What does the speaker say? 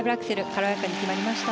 軽やかに決まりました。